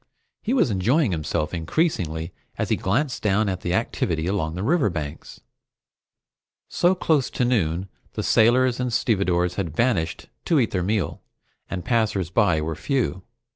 He was enjoying himself increasingly as he glanced down at the activity along the riverbanks. So close to noon, the sailors and stevedores had vanished to eat their meal, and passers by were few.